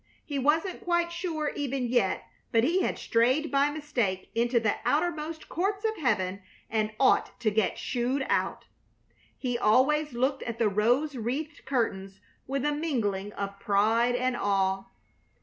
He wasn't quite sure even yet but he had strayed by mistake into the outermost courts of heaven and ought to get shooed out. He always looked at the rose wreathed curtains with a mingling of pride and awe.